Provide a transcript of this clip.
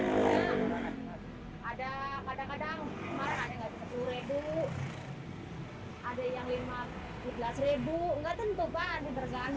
ada kadang kadang kemarin ada yang sepuluh ribu ada yang lima belas ribu enggak tentu kan